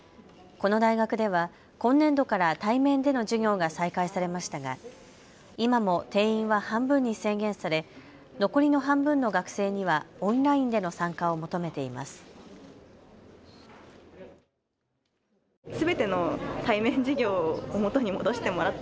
この大学では今年度から対面での授業が再開されましたが今も定員は半分に制限され、残りの半分の学生にはオンラインでの参加を求めています。